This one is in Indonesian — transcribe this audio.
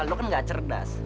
lu kan gak cerdas